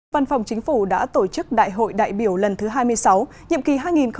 văn phòng chính phủ đã tổ chức đại hội đại biểu lần thứ hai mươi sáu nhiệm kỳ hai nghìn hai mươi hai nghìn hai mươi năm